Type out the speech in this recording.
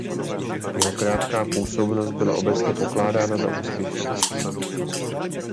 Jeho krátká působnost byla obecně pokládána za úspěšnou.